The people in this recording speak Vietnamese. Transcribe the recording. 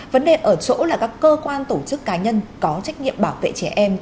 vấn đề ở chỗ là các cơ quan tổ chức cá nhân có trách nhiệm bảo vệ trẻ em